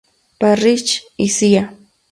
Parrish y Cía.